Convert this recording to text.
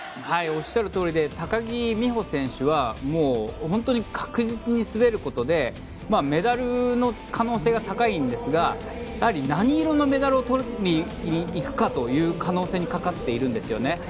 おっしゃるとおりで高木美帆選手は本当に確実に滑ることでメダルの可能性が高いんですがやはり何色のメダルを取りにいくかという可能性にかかっているんですよね。